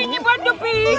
ini buat iping